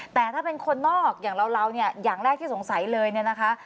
แต่ถ้าเป็นคนนอกอย่างเราอย่างแรกที่สงสัยเลยนะคะ